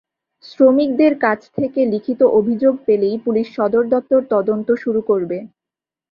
শ্রমিকদের কাছ থেকে লিখিত অভিযোগ পেলেই পুলিশ সদর দপ্তর তদন্ত শুরু করবে।